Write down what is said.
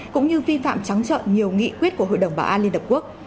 cũng như vi phạm trắng trợn nhiều nghị quyết của hội đồng bảo an liên hợp quốc